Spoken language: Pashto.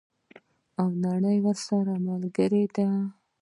او نړۍ ورسره ملګرې ده.